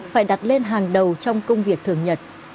phải đặt lên hàng đầu trong công việc thường nhật